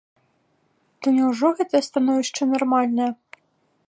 То няўжо гэтае становішча нармальнае?